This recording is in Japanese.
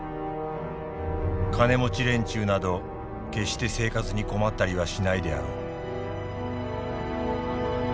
金持連中など決して生活に困ったりはしないであろう」。